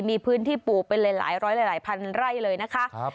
มีพื้นที่ปลูกเป็นหลายร้อยหลายพันไร่เลยนะคะ